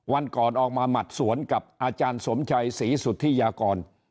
วันก่อนออกมาหมัดสวนกับอาจารย์สมชัยศรีสุธิยากร